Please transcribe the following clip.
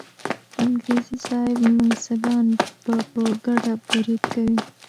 انګریزي صاحب منصبان به په ګډه برید کوي.